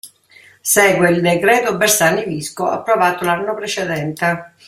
Segue il decreto Bersani-Visco approvato l'anno precedente.